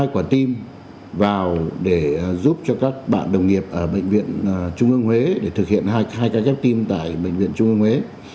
hai quả tim vào để giúp cho các bạn đồng nghiệp ở bệnh viện trung ương huế để thực hiện hai trái phép tim tại bệnh viện trung ương huế